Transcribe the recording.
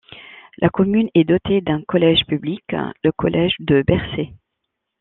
La commune est dotée d'un collège public, le collège de Bercé.